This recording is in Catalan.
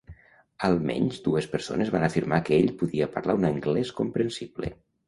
Almenys dues persones van afirmar que ell podia parlar un anglès comprensible.